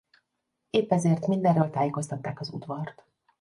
Épp ezért mindenről tájékoztatták az udvart.